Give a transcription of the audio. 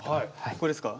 ここですか。